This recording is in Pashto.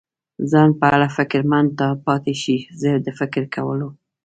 ځان په اړه فکرمند پاتې شي، زه د فکر کولو.